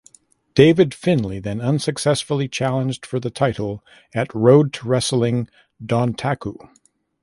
David Finlay then unsuccessfully challenged for the title at Road to Wrestling Dontaku.